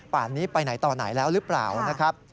ป่านนี้ไปไหนต่อไหนแล้วหรือเปล่า